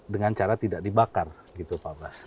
dengan cara tidak dibuat